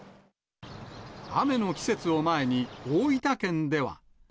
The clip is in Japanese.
雨の季節を前に、大分県では。